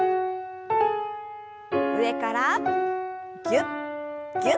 上からぎゅっぎゅっと。